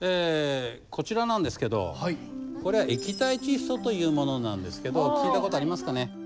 こちらなんですけどこれ液体窒素というものなんですけど聞いた事ありますかね？